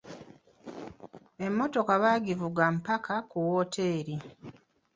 Emmotoka baagivuga mpaka ku wooteri.